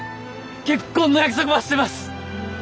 結婚の約束ばしてます！